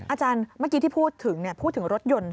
อาจารย์เมื่อกี้ที่พูดถึงพูดถึงรถยนต์